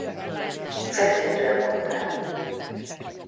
Feltehetően monogám.